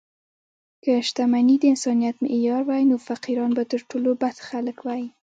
که شتمني د انسانیت معیار وای، نو فقیران به تر ټولو بد خلک وای.